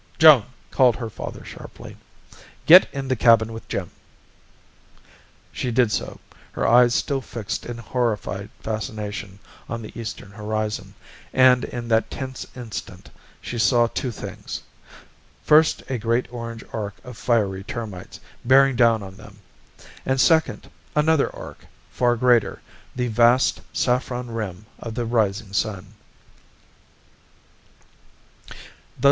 "Joan!" called her father sharply. "Get in the cabin with Jim!" She did so, her eyes still fixed in horrified fascination on the eastern horizon; and in that tense instant, she saw two things. First, a great orange arc of fiery termites, bearing down on them; and second, another arc, far greater the vast saffron rim of the rising sun.